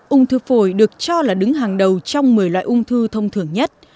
ung thư phổi được cho là đứng hàng đầu trong một mươi loại ung thư thông thường nhất